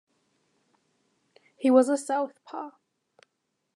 He was a southpaw.